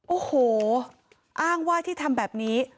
โอ้โหอ้างว่าที่ทำแบบนี้